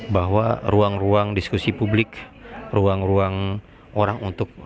bahwa ruang ruang diskusi publik ruang ruang orang untuk